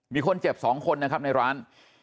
มีคนเจ็บ๒คนนะครับในร้าน